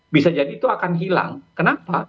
bisa jadi itu akan hilang kenapa